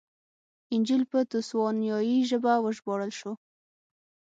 انجییل په تسوانایي ژبه وژباړل شو.